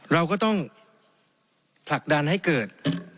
เราก็ต้องผลักดันให้เกิด